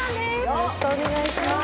よろしくお願いします